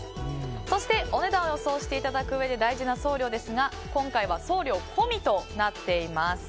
そしてお値段を予想していただくうえで大事な送料ですが今回は送料込みとなっています。